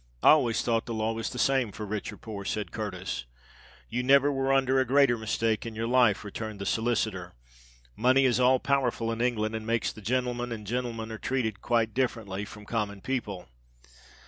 "I always thought the law was the same for rich or poor," said Curtis. "You never were under a greater mistake in your life," returned the solicitor. "Money is all powerful in England, and makes the gentleman; and gentlemen are treated quite differently from common people.